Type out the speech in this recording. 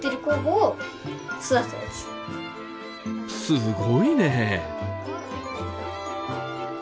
すごいね！